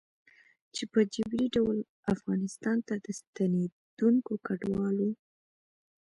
چې په جبري ډول افغانستان ته د ستنېدونکو کډوالو